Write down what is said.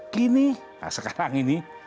kini nah sekarang ini